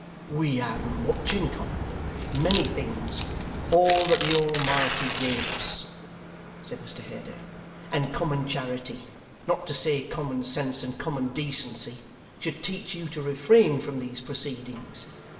'We have much in common many things all that the Almighty gave us,' said Mr Haredale; 'and common charity, not to say common sense and common decency, should teach you to refrain from these proceedings.